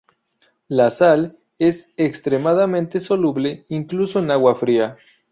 La sal es extremadamente soluble, incluso en agua fría.